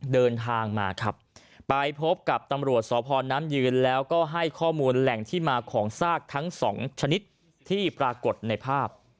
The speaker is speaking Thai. เดินทางมาครับไปพบกับตำรวจสพน้ำยืนแล้วก็ให้ข้อมูลแหล่งที่มาของซากทั้งสองชนิดที่ปรากฏในภาพ